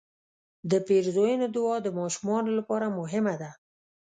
د پیرزوینې دعا د ماشومانو لپاره مهمه ده.